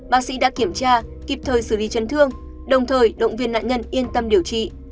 bác sĩ đã kiểm tra kịp thời xử lý chấn thương đồng thời động viên nạn nhân yên tâm điều trị